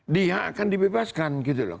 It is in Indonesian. dia akan dibebaskan gitu loh